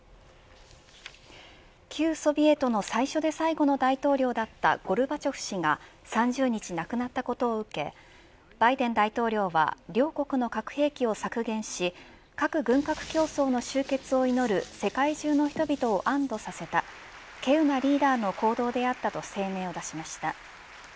旧ソビエトの最初で最後の大統領だったゴルバチョフ氏が３０日亡くなったことを受けバイデン大統領は両国の核兵器を削減し核軍拡競争の終結を祈る世界中の人々を安堵させた稀有なリーダーの行動であったと声明を出しました。